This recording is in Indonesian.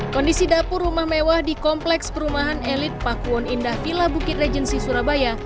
kondisi dapur rumah mewah di kompleks perumahan elit pakuwon indah villa bukit regensi surabaya